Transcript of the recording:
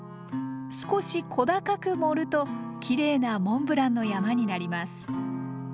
少し小高く盛るときれいなモンブランの山になります。